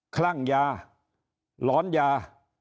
คลั่งยาหลอนยา